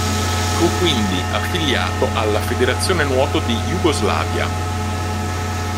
Fu quindi affiliato alla federazione nuoto di Jugoslavia.